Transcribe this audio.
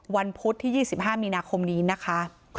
พุธที่๒๕มีนาคมนี้นะคะ